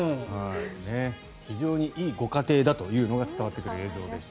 非常にいいご家庭だというのが伝わってくる映像でした。